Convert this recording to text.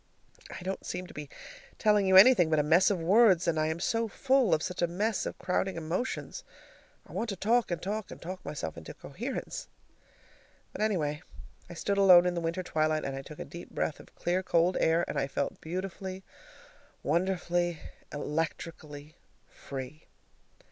I don't seem to be telling you anything but a mess of words, I am so full of such a mess of crowding emotions. I want to talk and talk and talk myself into coherence. But, anyway, I stood alone in the winter twilight, and I took a deep breath of clear cold air, and I felt beautifully, wonderfully, electrically free.